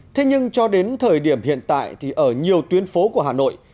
thế nhưng cho đến thời điểm hiện tại thì ở nhiều tuyến phố của hà nội